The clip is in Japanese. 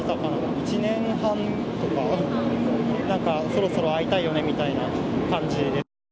１年半とか、なんか、そろそろ会いたいよねみたいな感じで。